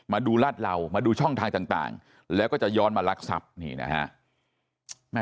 มาดูลาดเหล่ามาดูช่องทางต่างแล้วก็จะย้อนมารักทรัพย์นี่นะฮะ